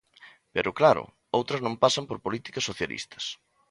Pero, claro, outras non pasan por políticas socialistas.